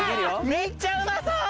めっちゃうまそう！